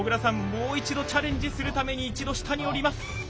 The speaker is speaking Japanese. もう一度チャレンジするために一度下に下ります。